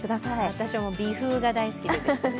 私も微風が大好きでですね。